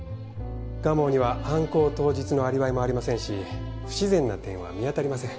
蒲生には犯行当日のアリバイもありませんし不自然な点は見当たりません。